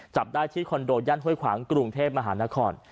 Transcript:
จับได้ที่คอนโดย่านห้วยขวางกรุงเทพมหานคร